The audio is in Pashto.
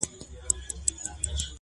موږ ته مو قسمت پیالې نسکوري کړې د میو،